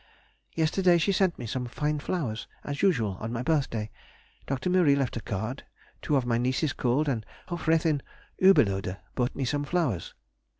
Yesterday she sent me some fine flowers, as usual on my birthday. Dr. Mühry left a card; two of my nieces called, and Hofräthin Ubelode brought me some flowers.